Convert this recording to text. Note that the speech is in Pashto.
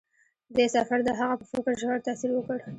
دې سفر د هغه په فکر ژور تاثیر وکړ.